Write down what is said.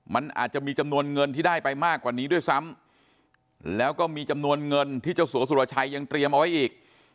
มันอาจจะมีจำนวนเงินที่ได้ไปมากกว่านี้ด้วยซ้ำแล้วก็มีจำนวนเงินที่เจ้าสัวสุรชัยยังเตรียมเอาไว้อีก